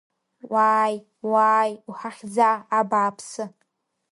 Уааи, уааи, уҳахьӡа, абааԥсы!